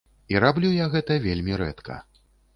І раблю я гэта вельмі рэдка.